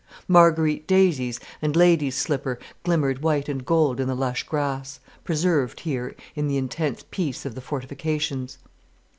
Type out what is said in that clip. Marguerite daisies and lady's slipper glimmered white and gold in the lush grass, preserved here in the intense peace of the fortifications.